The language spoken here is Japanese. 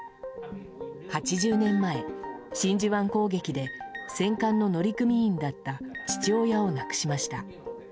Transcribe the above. ８０年前、真珠湾攻撃で戦艦の乗組員だった父親を亡くしました。